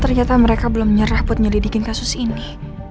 ternyata mereka belum nyerah buat nyelidikin kasus ini